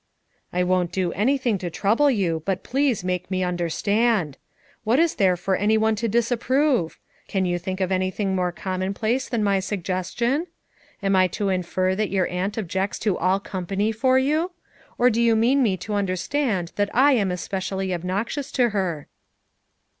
"I won't do anything to trouble you, but please make me understand. What is there for any one to disapprove? Can you think of anything more commonplace than my sugges tion? Am I to infer that your aunt objects to all company for you? or do you mean me to understand that I am especially obnoxious to her?"